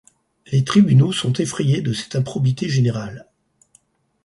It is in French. Les tribunaux sont effrayés de cette improbité générale.